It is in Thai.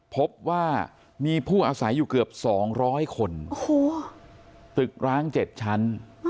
พบว่ามีผู้อาศัยอยู่เกือบ๒๐๐คนตึกร้าง๗ชั้น